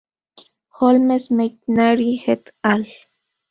Holmes-McNary et al.